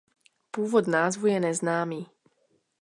Původ názvu je neznámý.